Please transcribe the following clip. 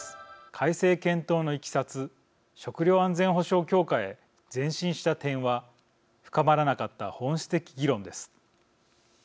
改正検討のいきさつ食料安全保障強化へ前進した点は深まらなかった本質的議論です。